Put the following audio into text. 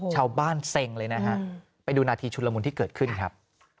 เซ็งเลยนะฮะไปดูนาทีชุดละมุนที่เกิดขึ้นครับ